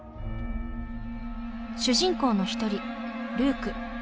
主人公の１人「ルーク」。